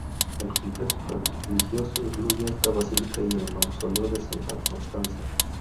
El complejo religioso incluye esta basílica y el mausoleo de Santa Constanza.